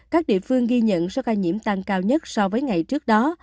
các địa phương ghi nhận số ca nhiễm tăng cao nhất so với ngày trước đó